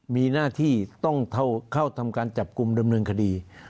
มีหน้าที่ต้องเข้าทำการจับกลุ่มดำเนินคดี